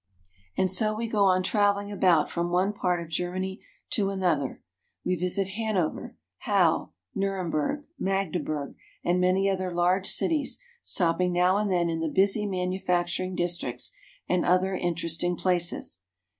And so we go on traveling about from one part of Germany to another. We visit Hanover, Halle, Nurem berg, Magdeburg, and many other large cities, stopping now and then in the busy manufacturing districts and other interesting places.